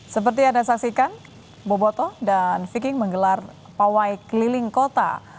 seperti yang anda saksikan boboto dan viking menggelar pawai keliling kota